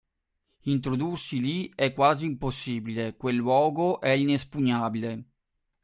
Introdursi lì è quasi impossibile, quel luogo è inespugnabile.